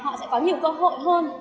họ sẽ có nhiều cơ hội hơn